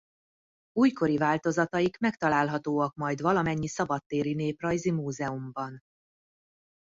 Újkori változataik megtalálhatóak majd valamennyi szabadtéri néprajzi múzeumban.